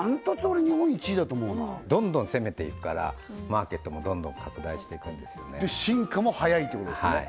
俺日本１位だと思うなどんどん攻めていくからマーケットもどんどん拡大していくんですよねで進化も早いということですねはい